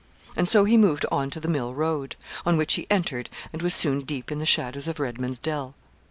And so he moved on to the mill road, on which he entered, and was soon deep in the shadows of Redman's Dell.